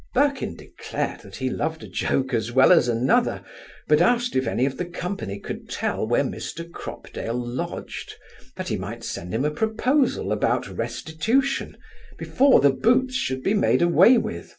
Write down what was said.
Birkin declared he loved a joke as well as another; but asked if any of the company could tell where Mr Cropdale lodged, that he might send him a proposal about restitution, before the boots should be made away with.